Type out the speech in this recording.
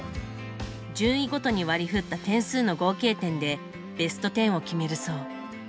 順位ごとに割り振った点数の合計点でベスト１０を決めるそう。